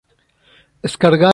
Skarsgård es ateo.